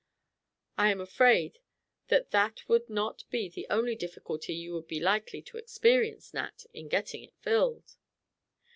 "I am afraid that that would not be the only difficulty you would be likely to experience, Nat, in getting it filled."